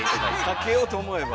かけようと思えば。